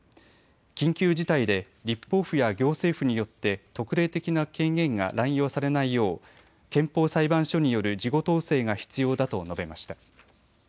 緊急事態で立法府や行政府によって特例的な権限が乱用されないよう憲法裁判所による事後統制が必要だと述べました。